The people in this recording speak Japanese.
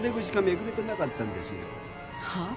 めくれてなかったんですよ。